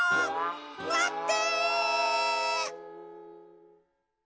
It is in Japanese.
まって！